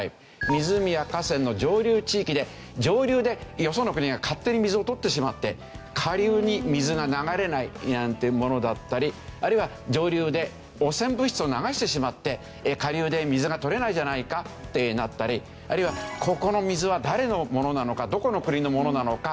湖や河川の上流地域で上流でよその国が勝手に水を取ってしまって下流に水が流れないなんてものだったりあるいは上流で汚染物質を流してしまって下流で水が取れないじゃないかってなったりあるいはここの水は誰のものなのかどこの国のものなのか。